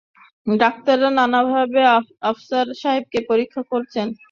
ডাক্তারা নানানভাবে আফসার সাহেবকে পরীক্ষা করেছেন।